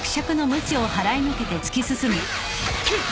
くっ。